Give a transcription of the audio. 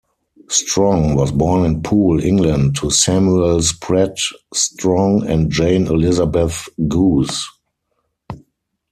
Strong was born in Poole, England to Samuel Spratt Strong and Jane Elizabeth Goose.